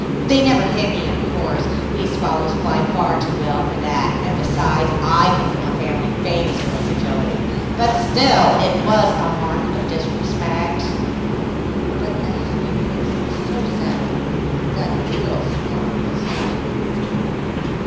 They never hit me, of course; we swallows fly far too well for that, and besides, I come of a family famous for its agility; but still, it was a mark of disrespect.' But the Happy Prince looked so sad that the little Swallow was sorry.